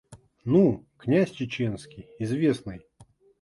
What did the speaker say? Ну, князь Чеченский, известный.